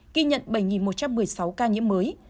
ghi nhận bảy một trăm một mươi sáu ca nhiễm mới